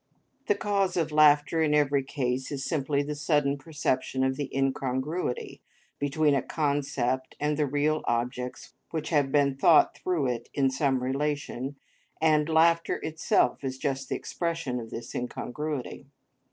The cause of laughter in every case is simply the sudden perception of the incongruity between a concept and the real objects which have been thought through it in some relation, and laughter itself is just the expression of this incongruity.